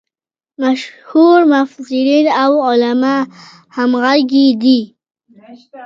مشهور مفسرین او علما همغږي دي.